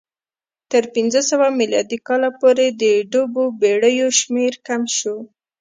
تر پنځه سوه میلادي کاله پورې د ډوبو بېړیو شمېر کم شو